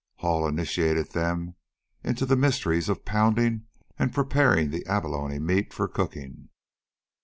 Hall initiated them into the mysteries of pounding and preparing the abalone meat for cooking.